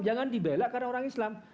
jangan dibela karena orang islam